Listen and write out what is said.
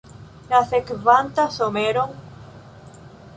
La sekvantan someron?